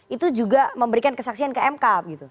itu juga memberikan kesaksian ke mk gitu